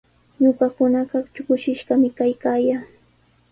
Ñuqakunaqa kushishqami kaykaayaa.